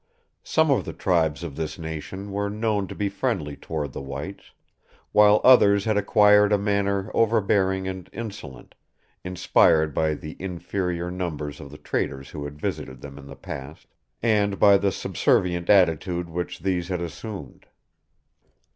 Some of the tribes of this nation were known to be friendly toward the whites, while others had acquired a manner overbearing and insolent, inspired by the inferior numbers of the traders who had visited them in the past, and by the subservient attitude which these had assumed.